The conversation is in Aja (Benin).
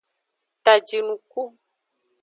Ta jinuku.